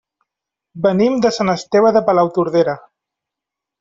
Venim de Sant Esteve de Palautordera.